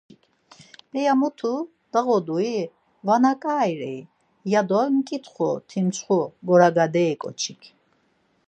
p̌eya mutu dağodui vana ǩai rei, ya do mǩitxu timçxu, goragaderi ǩoçik.